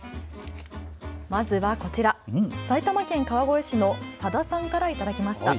まずはこちら、埼玉県川越市のサダさんから頂きました。